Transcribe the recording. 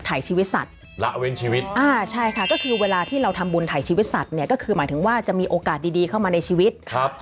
ถ่ายชีวิตสัตว์ละเว้นชีวิต